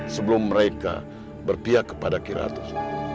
sebelum mereka berpihak kepada kiratus